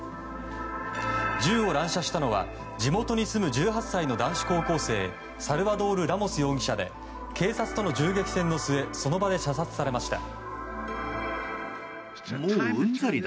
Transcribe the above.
銃を乱射したのは地元に住む１８歳の男子高校生サルバドール・ラモス容疑者で警察との銃撃戦の末その場で射殺されました。